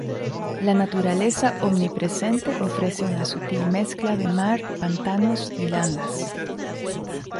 La naturaleza omnipresente ofrece una sutil mezcla de mar, pantanos y landas.